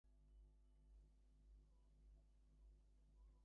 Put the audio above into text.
তিনি চাংগানে ফিরে যেতে সক্ষম হন।